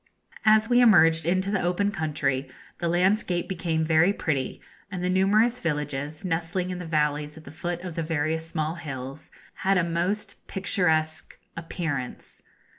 As we emerged into the open country the landscape became very pretty, and the numerous villages, nestling in the valleys at the foot of the various small hills, had a most picturesque appearance.